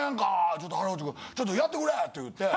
ちょっと原口くん。ちょっとやってくれ」って言って。